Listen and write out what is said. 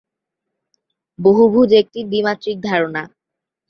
বহুভুজ একটি দ্বিমাত্রিক ধারণা।